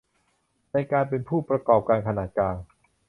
ในการเป็นผู้ประกอบการขนาดกลาง